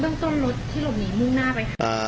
เรื่องต้นรถที่หลบหนีมุ่งหน้าไปค่ะ